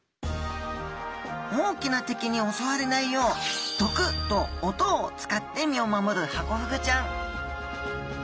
大きな敵におそわれないよう毒と音を使って身を守るハコフグちゃん。